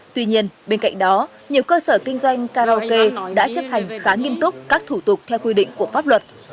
tuy nhiên bên cạnh đó nhiều cơ sở kinh doanh karaoke đã chấp hành khá nghiêm túc các thủ tục theo quy định của pháp luật